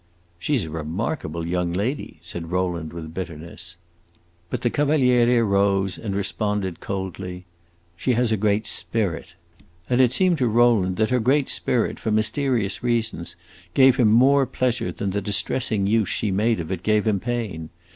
"She 's a remarkable young lady," said Rowland, with bitterness. But the Cavaliere rose and responded coldly, "She has a great spirit." And it seemed to Rowland that her great spirit, for mysterious reasons, gave him more pleasure than the distressing use she made of it gave him pain.